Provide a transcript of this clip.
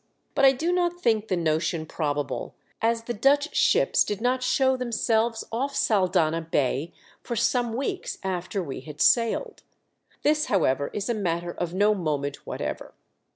But I do not think the notion probable, as the Dutch ships did not show themselves oft" Sal danha Bay for some weeks after we had sailed. This, however, is a matter of no moment whatever.